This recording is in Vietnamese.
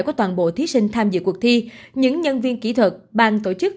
của toàn bộ thí sinh tham dự cuộc thi những nhân viên kỹ thuật bang tổ chức